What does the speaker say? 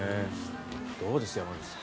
どうです山口さん。